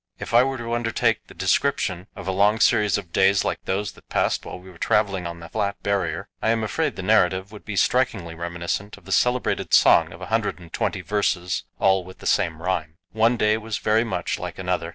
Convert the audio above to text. If I were to undertake the description of a long series of days like those that passed while we were travelling on the flat Barrier, I am afraid the narrative would be strikingly reminiscent of the celebrated song of a hundred and twenty verses, all with the same rhyme. One day was very much like another.